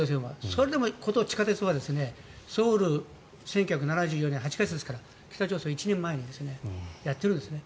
それでも、地下鉄はソウル１９７４年８月ですから北朝鮮は１年前にやってるんですね。